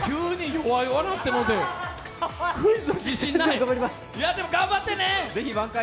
いやでも頑張ってね！